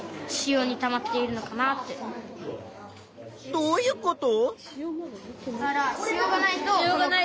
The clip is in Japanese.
どういうこと？